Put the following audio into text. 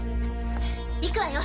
・行くわよ。